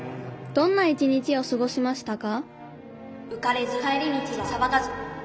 どんな一日をすごしましたか？」。